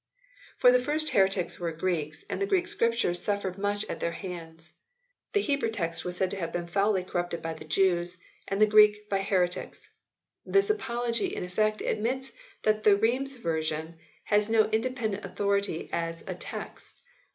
For the first heretics were Greeks and the Greek Scriptures suffered much at their hands. The Hebrew text was said to have been foully corrupted by the Jews, and the Greek by heretics. This apology in effect admits that the Rheims version has no independent authority as a text.